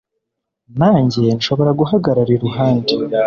Nanjye nshobora guhagarara iruhande